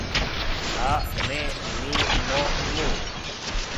на не ни но ну